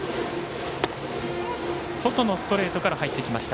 外のストレートから入ってきました。